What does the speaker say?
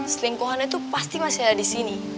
selingkuhannya tuh pasti masih ada disini